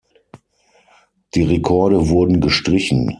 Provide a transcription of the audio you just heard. Die Rekorde wurden gestrichen.